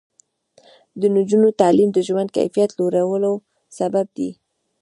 د نجونو تعلیم د ژوند کیفیت لوړولو سبب دی.